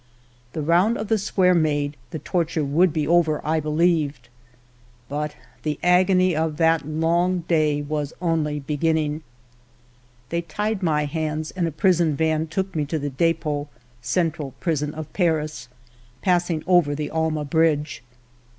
The round of the square made, the torture would be over, I believed. But the agony of that long day was only be ginning. They tied my hands, and a prison van took me to the Depot (Central Prison of Paris), pass ing over the Alma Bridge.